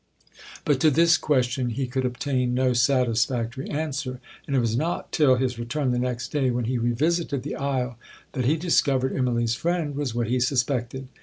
'But to this question he could obtain no satisfactory answer; and it was not till his return the next day, when he revisited the isle, that he discovered Immalee's friend was what he suspected.